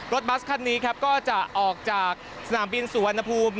รถบัสคันนี้ก็จะออกจากสนามบินสวนภูมิ